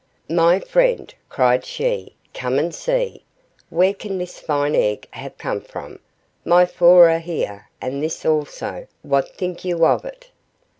"My friend," cried she, "come and see! Where can this fine egg have come from? My four are here, and this also; what think you of it?"